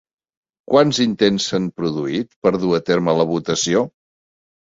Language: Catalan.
Quants intents s'han produït per a dur a terme la votació?